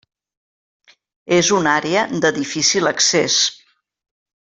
És una àrea de difícil accés.